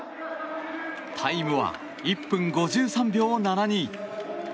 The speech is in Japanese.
タイムは１分５３秒７２。